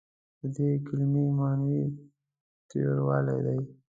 د دې کلمې معني تریوالی دی.